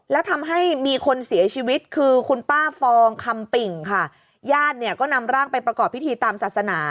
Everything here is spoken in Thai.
แล้วทำให้มีคนเสียชีวิตคือคุณป้าฟองคำปิ่งค่ะญาติเนี่ยก็นำร่างไปประกอบพิธีตามศาสนา